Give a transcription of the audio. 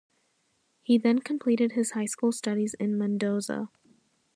He then completed his high school studies in Mendoza.